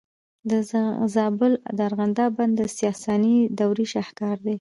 د زابل د ارغنداب بند د ساساني دورې شاهکار دی